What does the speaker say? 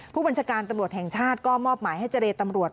ผู้บัญชาการตำรวจแห่งชาติก็มอบหมายให้เจรตำรวจ